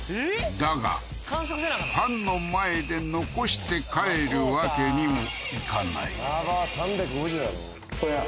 だがファンの前で残して帰るわけにもいかないやばっ３５０やろ？